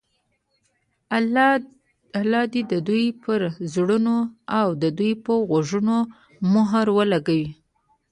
الله د دوى پر زړونو او د دوى په غوږونو مهر لګولى